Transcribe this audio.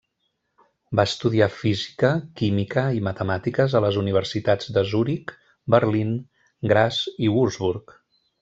Va estudiar física, química i matemàtiques a les universitats de Zuric, Berlín, Graz i Würzburg.